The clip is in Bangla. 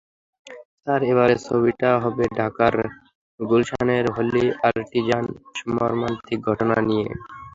তাঁর এবারের ছবিটি হবে ঢাকার গুলশানের হলি আর্টিজান মর্মান্তিক ঘটনা নিয়ে।